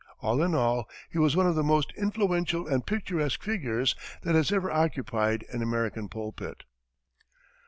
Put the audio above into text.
All in all, he was one of the most influential and picturesque figures that has ever occupied an American pulpit.